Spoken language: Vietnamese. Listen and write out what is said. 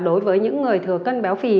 đối với những người thừa cân béo phì